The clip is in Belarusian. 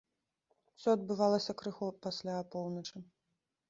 Усё адбывалася крыху пасля апоўначы.